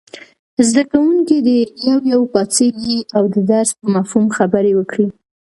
زده کوونکي دې یو یو پاڅېږي او د درس په مفهوم خبرې وکړي.